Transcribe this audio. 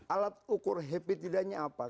alat ukur happy tidaknya apa